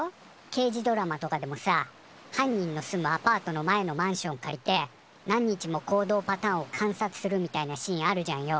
けいじドラマとかでもさ犯人の住むアパートの前のマンション借りて何日も行動パターンを観察するみたいなシーンあるじゃんよ。